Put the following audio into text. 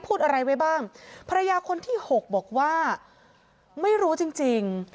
พูดอะไรไว้บ้างภรรยาคนที่หกบอกว่าไม่รู้จริงจริง